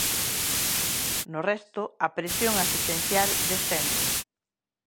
No resto, a presión asistencial descende.